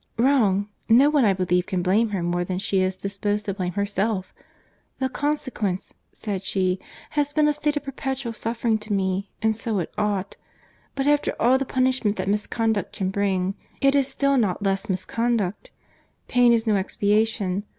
"Wrong! No one, I believe, can blame her more than she is disposed to blame herself. 'The consequence,' said she, 'has been a state of perpetual suffering to me; and so it ought. But after all the punishment that misconduct can bring, it is still not less misconduct. Pain is no expiation.